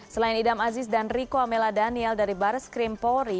selain idam aziz dan riko amela daniel dari baris krim polri